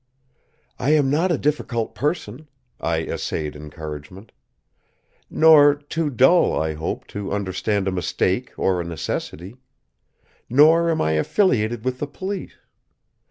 "I am not a difficult person," I essayed encouragement. "Nor too dull, I hope, to understand a mistake or a necessity. Nor am I affiliated with the police!